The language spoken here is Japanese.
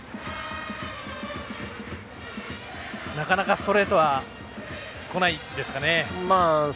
なかなか、ストレートはこないですかね。